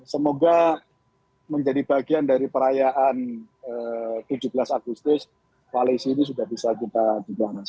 semoga menjadi bagian dari perayaan tujuh belas agustus koalisi ini sudah bisa kita dibahas